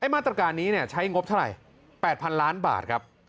มาตรการนี้ใช้งบเท่าไหร่๘๐๐๐ล้านบาทครับ